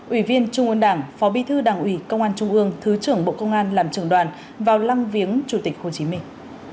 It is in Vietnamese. ủy viên trung ương đảng phó bí thư đảng ủy công an trung ương thứ trưởng bộ công an làm trường đoàn vào lăng viếng chủ tịch hồ chí minh